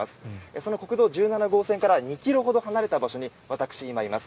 その国道１７号線から２ｋｍほど離れた場所に私、今います。